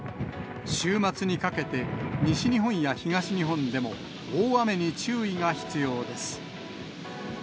週末にかけて、西日本や東日本でも、大雨に注意が必要です。